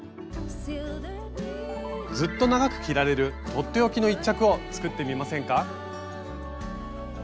ずっと長く着られるとっておきの１着を作ってみませんか？